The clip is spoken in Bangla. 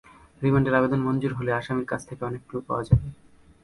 রিমান্ডের আবেদন মঞ্জুর হলে আসামির কাছ থেকে অনেক ক্লু পাওয়া যাবে।